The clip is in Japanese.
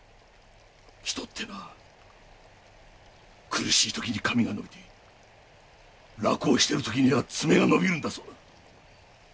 人ってな苦しい時に髪が伸びて楽をしてる時には爪が伸びるんだそうだ。